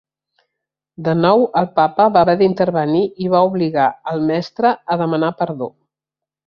De nou el papa va haver d'intervenir i va obligar al Mestre a demanar perdó.